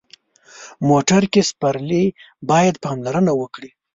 موټر کې سپرلي باید پاملرنه وکړي.